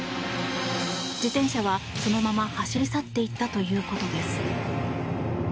自転車はそのまま走り去っていったということです。